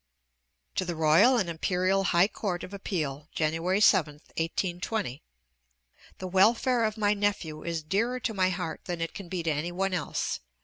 TO THE ROYAL AND IMPERIAL HIGH COURT OF APPEAL JANUARY 7th, 1820. The welfare of my nephew is dearer to my heart than it can be to any one else.